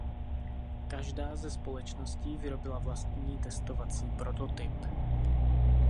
Každá ze společností vyrobila vlastní testovací prototyp.